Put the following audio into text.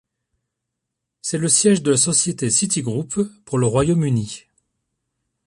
C'est le siège de la société Citigroup pour le Royaume-Uni.